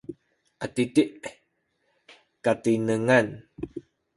adidi’ katinengan